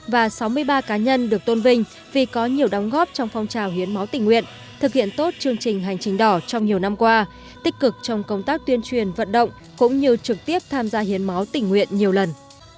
và sáu mươi ba cá nhân được tôn vinh vì có nhiều đóng góp trong phong trào hiến máu tình nguyện thực hiện tốt chương trình hành trình đỏ trong nhiều năm qua tích cực trong công tác tuyên truyền vận động cũng như trực tiếp tham gia hiến máu tình nguyện nhiều lần